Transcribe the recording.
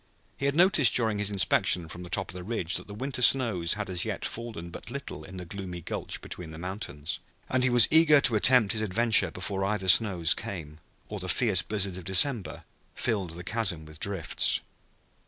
He had noticed during his inspection from the top of the ridge that the winter snows had as yet fallen but little in the gloomy gulch between the mountains, and he was eager to attempt his adventure before other snows came or the fierce blizzards of December filled the chasm with drifts.